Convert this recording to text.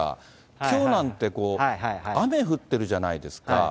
きょうなんて、雨降ってるじゃないですか。